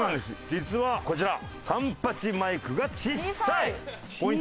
実はこちらサンパチマイクがちっさい！